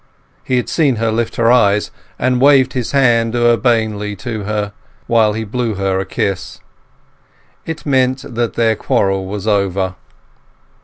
He had seen her lift her eyes, and waved his hand urbanely to her, while he blew her a kiss. It meant that their quarrel was over.